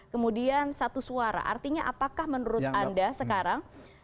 kemudian satu suara artinya apakah menurut anda sekarang